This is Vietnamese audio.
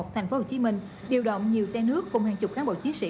thành phố hồ chí minh điều động nhiều xe nước cùng hàng chục cán bộ chiến sĩ